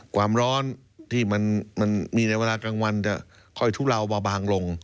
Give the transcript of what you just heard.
ความร้อนที่มันมีในเวลากลางวันจะค่อยทุเลาเบาบางลง